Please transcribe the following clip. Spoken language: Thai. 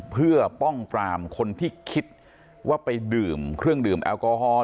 เพื่อป้องปรามคนที่คิดว่าไปดื่มเครื่องดื่มแอลกอฮอล์